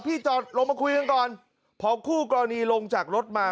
จอดลงมาคุยกันก่อนพอคู่กรณีลงจากรถมา